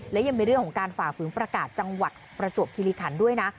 และยังมีเรื่องของการฝ่าฝืนประกาศจังหวัดประจวบคิริขันด้วยนะ